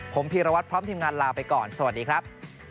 ผมพีรวัตรพร้อมทีมงานลาไปก่อนสวัสดีครับ